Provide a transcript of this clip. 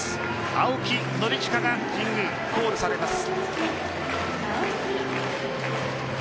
青木宣親が神宮、コールされます。